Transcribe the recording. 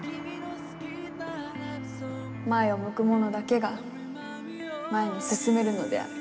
前を向く者だけが前に進めるのである。